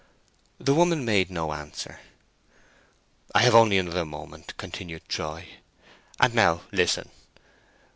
The woman made no answer. "I have only another moment," continued Troy; "and now listen.